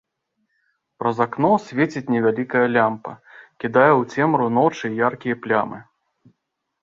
Праз акно свеціць невялікая лямпа, кідае ў цемру ночы яркія плямы.